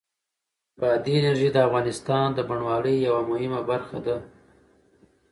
بادي انرژي د افغانستان د بڼوالۍ یوه مهمه برخه ده.Shutterstock